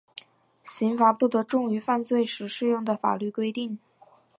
刑罚不得重于犯罪时适用的法律规定。